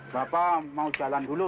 bapak mau jalan dulu